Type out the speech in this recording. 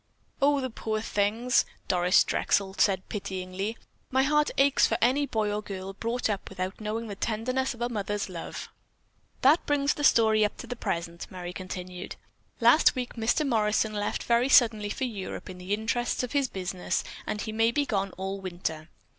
"Oh, the poor things!" Doris Drexel said pityingly. "My heart aches for any boy or girl brought up without knowing the tenderness of a mother's love." "That brings the story up to the present," Merry continued. "Last week Mr. Morrison left very suddenly for Europe in the interests of his business and he may be gone all winter.